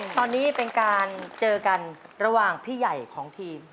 ตอนนี้เป็นการเจอกันระหว่างพี่ใหญ่ของทีม